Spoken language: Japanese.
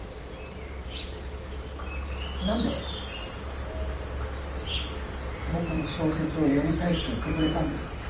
何で僕の小説を読みたいって言ってくれたんですか？